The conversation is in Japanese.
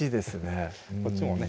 うんこっちもね